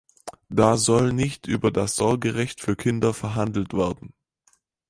Da soll nicht über das Sorgerecht für Kinder verhandelt werden.